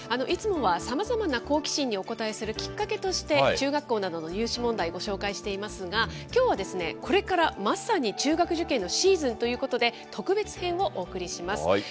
いつもはさまざまな好奇心にお応えするきっかけとして、中学校などの入試問題、ご紹介していますが、きょうはですね、これからまさに中学受験のシーズンということで、特別編をお送りします。